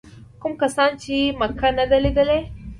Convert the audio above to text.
کوم کسان چې مکه نه ده لیدلې.